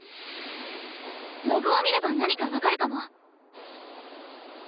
ログを見れば何か分かるかも。